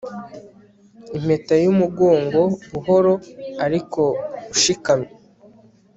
impeta yumugongo buhoro ariko ushikamye